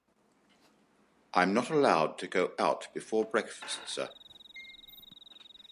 I'm not allowed to go out before breakfast, sir.